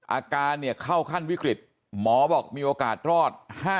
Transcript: อาการเข้าขั้นวิกฤตหมอบอกมีโอกาสรอด